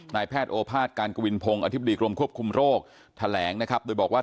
นายแพทย์โอภาษการกวินพงศ์อธิบดีกรมควบคุมโรคแถลงนะครับโดยบอกว่า